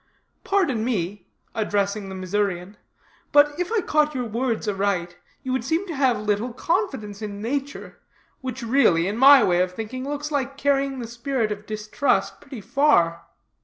"Pardon me," addressing the Missourian, "but if I caught your words aright, you would seem to have little confidence in nature; which, really, in my way of thinking, looks like carrying the spirit of distrust pretty far."